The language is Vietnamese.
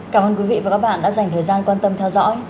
cảm ơn quý vị và các bạn đã dành thời gian quan tâm theo dõi